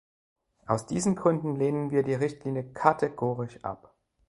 Aus diesen Gründen lehnen wir die Richtlinie kategorisch ab.